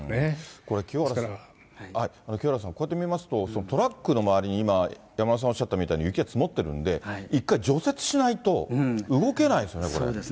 これ、清原さん、こうやって見ますと、トラックの周りに今、山村さんおっしゃったみたいに雪が積もってるんで、一回、除雪しないと、動けないですよね、そうですね。